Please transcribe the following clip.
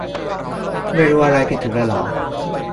ไม่รู้อะไรผิดถูกเลยเหรอ